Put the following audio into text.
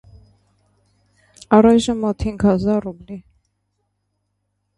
- Առայժմ մոտ հինգ հազար ռուբլու: